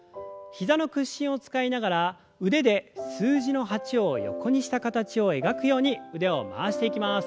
膝の屈伸を使いながら腕で数字の８を横にした形を描くように腕を回していきます。